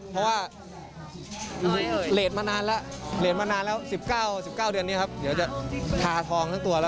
แล้วว่าเรทมานานแล้ว๑๙เดือนนี้ครับเดี๋ยวจะทาทองทั้งตัวแล้ว